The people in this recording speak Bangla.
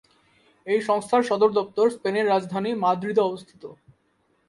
এই সংস্থার সদর দপ্তর স্পেনের রাজধানী মাদ্রিদে অবস্থিত।